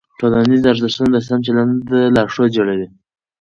ټولنیز ارزښتونه د سم چلند لارښود جوړوي.